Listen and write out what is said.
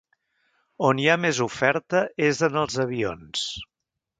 On hi ha més oferta és en els avions.